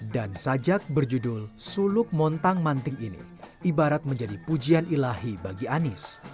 dan sajak berjudul suluk montang manting ini ibarat menjadi pujian ilahi bagi anis